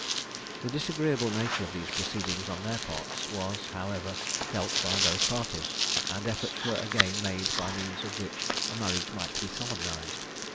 The disagreeable nature of these proceedings on their parts was, however, felt by both parties, and efforts were again made by means of which a marriage might be solemnised.